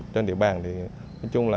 trên địa bàn thì nói chung là